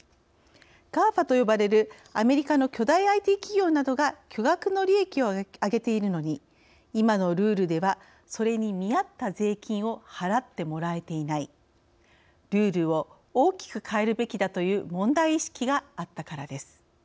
ＧＡＦＡと呼ばれるアメリカの巨大ＩＴ企業などが巨額の利益を上げているのに今のルールではそれに見合った税金を払ってもらえていないルールを大きく変えるべきだという問題意識があったからです。